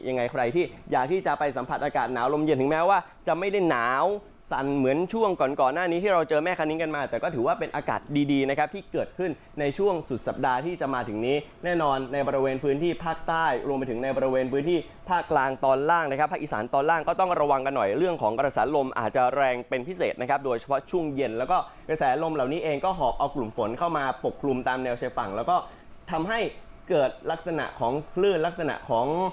ยังไงใครที่อยากที่จะไปสัมผัสอากาศหนาวลมเย็นถึงแม้ว่าจะไม่ได้หนาวสั่นเหมือนช่วงก่อนหน้านี้ที่เราเจอแม่คันนี้กันมาแต่ก็ถือว่าเป็นอากาศดีนะครับที่เกิดขึ้นในช่วงสุดสัปดาห์ที่จะมาถึงนี้แน่นอนในบริเวณพื้นที่ภาคใต้รวมไปถึงในบริเวณพื้นที่ภาคกลางตอนล่างนะครับภาคอีสานตอน